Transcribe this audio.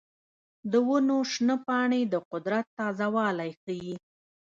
د ونو شنه پاڼې د قدرت تازه والی ښيي.